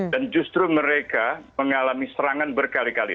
dan justru mereka mengalami serangan berkali kali